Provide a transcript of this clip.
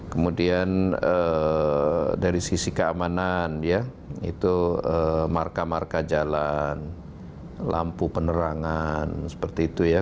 kemudian dari sisi keamanan ya itu marka marka jalan lampu penerangan seperti itu ya